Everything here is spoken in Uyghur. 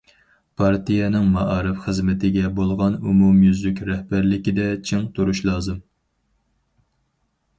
پارتىيەنىڭ مائارىپ خىزمىتىگە بولغان ئومۇميۈزلۈك رەھبەرلىكىدە چىڭ تۇرۇش لازىم.